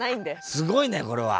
すごいねこれは！